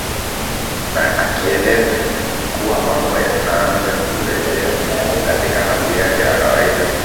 na akanieleza kuwa mambo yanaanza kurejea katika hali yake ya kawaida